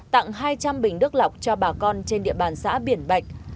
tặng hai trăm linh bình đức lọc cho bà con trên địa bàn xã biển bạch